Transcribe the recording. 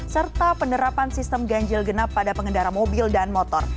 serta penerapan sistem ganjil genap pada pengendara mobil dan motor